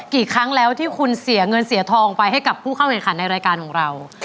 กี่ครั้งแล้วที่คุณเสียเงินเสียทองไปให้กับผู้เข้าแข่งขันในรายการของเรา